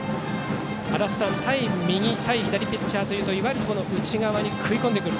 足達さん、対右対左ピッチャーというといわゆる内側に食い込んでくる